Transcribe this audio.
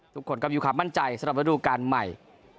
ทุกคนก็มีความมั่นใจสำหรับระดูการใหม่